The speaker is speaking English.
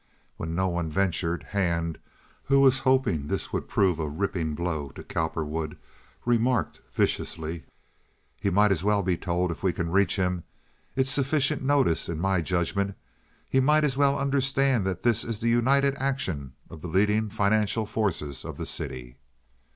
When no one ventured, Hand, who was hoping this would prove a ripping blow to Cowperwood, remarked, viciously: "He might as well be told—if we can reach him. It's sufficient notice, in my judgment. He might as well understand that this is the united action of the leading financial forces of the city."